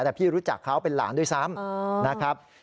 แต่พี่รู้จักเขาเป็นหลานด้วยซ้ำนะครับ